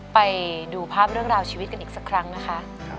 ไปดูภาพเรื่องราวชีวิตกันอีกสักครั้งนะคะ